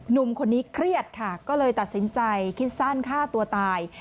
หนุ่มคนนี้เครียดค่ะก็เลยตัดสินใจคิดสั้นฆ่าตัวตาย